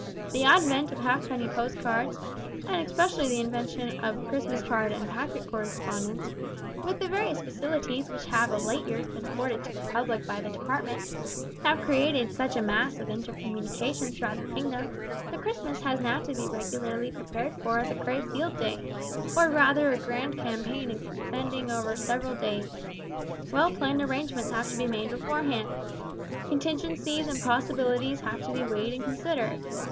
The advent of halfpenny post cards, and especially the invention of Christmas card and packet correspondence, with the various facilities which have of late years been afforded to the public by the Department, have created such a mass of inter communication throughout the kingdom, that Christmas has now to be regularly prepared for as a great field day, or rather a grand campaign extending over several days. Well planned arrangements have to be made beforehand. Contingencies and possibilities have to be weighed and considered.